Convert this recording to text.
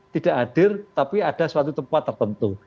tidak hadir tapi ada suatu tempat tertentu